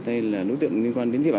hay là đối tượng liên quan đến cướp giật